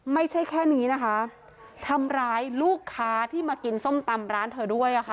ไม่ใช่แค่นี้นะคะทำร้ายลูกค้าที่มากินส้มตำร้านเธอด้วยอ่ะค่ะ